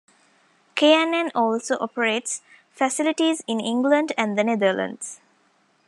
K and N also operates facilities in England and the Netherlands.